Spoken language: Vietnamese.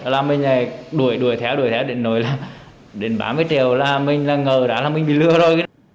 là mình đuổi theo đuổi theo đuổi theo đến ba mươi triệu là mình ngờ là mình bị lừa rồi